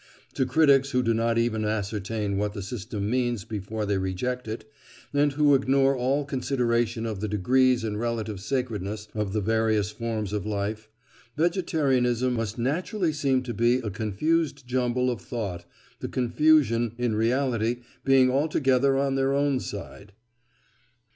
To critics who do not even ascertain what the system means before they reject it, and who ignore all consideration of the degrees and relative sacredness of the various forms of life, vegetarianism must naturally seem to be a confused jumble of thought—the confusion, in reality, being altogether on their own side.